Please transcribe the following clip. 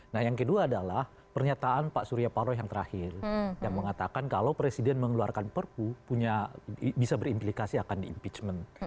nah yang kedua adalah pernyataan pak surya paroh yang terakhir yang mengatakan kalau presiden mengeluarkan perpu punya bisa berimplikasi akan diimpeachment